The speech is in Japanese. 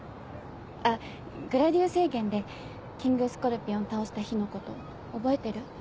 あっグラディウス平原でキングスコルピオン倒した日のこと覚えてる？